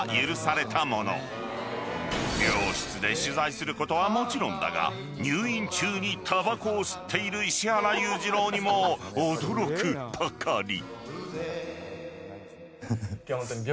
［病室で取材することはもちろんだが入院中にたばこを吸っている石原裕次郎にも驚くばかり］